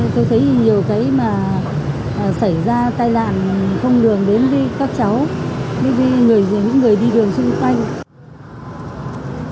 tôi thấy nhiều cái mà xảy ra tai nạn không đường đến với các cháu đến với những người đi đường xung quanh